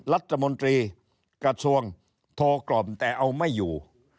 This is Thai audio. รัฐมนตรีกระทรวงโทรกล่อมแต่เอาไม่อยู่